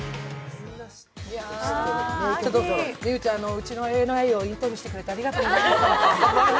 うちのＩＮＩをインタビューしてくれてありがとうございました。